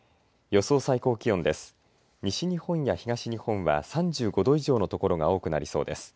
西日本や東日本は３５度以上の所が多くなりそうです。